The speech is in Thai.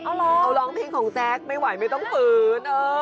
เอาร้องเพลงของแจ๊คไม่ไหวไม่ต้องฝืน